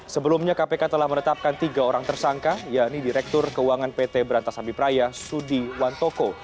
sebelumnya kpk telah menetapkan tiga orang tersangka yakni direktur keuangan pt berantas habibraya sudi wantoko